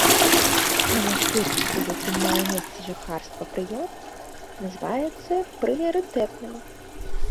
Манастыр, у якім мае месца жыхарства прыёр, называецца прыярытэтным.